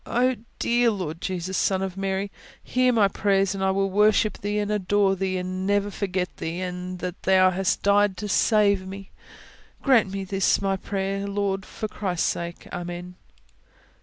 Oh, dear Lord Jesus, Son of Mary, hear my prayer, and I will worship Thee and adore Thee, and never forget Thee, and that Thou hast died to save me! Grant me this my prayer, Lord, for Christ's sake, Amen."